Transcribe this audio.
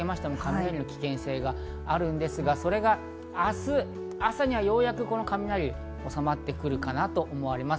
九州にかけてもかなりの危険性があるんですが、それが明日朝にはようやくこの雷もおさまってくるかなと思われます。